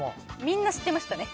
みんな知ってましたね。